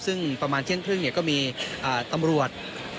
ซึ่งประมาณเที่ยงครึ่งก็มีตำรวจ